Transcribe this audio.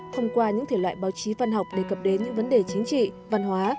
thông qua những thể loại báo chí văn học đề cập đến những vấn đề chính trị văn hóa